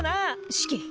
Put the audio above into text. シキ。